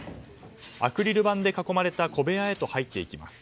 アクリル板で囲まれた小部屋へと入っていきます。